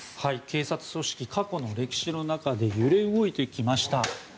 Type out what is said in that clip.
警察組織、過去の歴史の中で揺れ動いてきました。